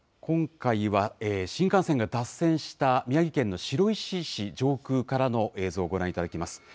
今回は、新幹線が脱線した、宮城県の白石市上空からの映像、ご覧いただきます。